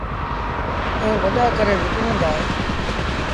ائيٚݩ وڏآ ڪري وڪڻون دآ۔